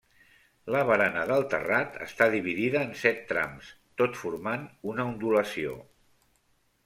La barana del terrat està dividida en set trams tot formant una ondulació.